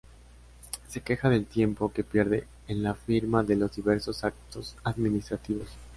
Se queja del tiempo que pierde en la firma de los diversos actos administrativos.